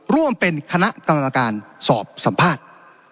ร่วมเป็นคณะกรรมการสอบสัมภาษณ์